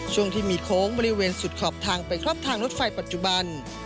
ช่วงที่มีโค้งบริเวณสุดขอบทางไปครอบทางรถไฟปัจจุบัน